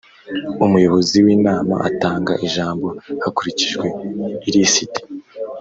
Umuyobozi w’Inama atanga ijambo hakurikijwe ilisiti